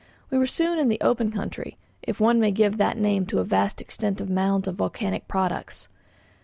We were soon in the open country, if one may give that name to a vast extent of mounds of volcanic products.